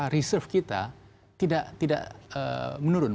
reserve kita tidak menurun